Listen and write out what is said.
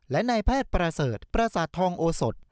และนายแพทย์ประเสริฐประสาททองโอสด